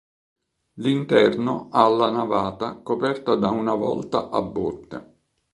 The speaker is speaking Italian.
L'interno ha la navata coperta da una volta a botte.